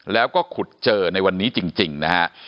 แล้วก็ขุดเจอในวันนี้จริงนะฮะ